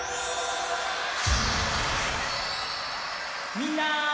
みんな！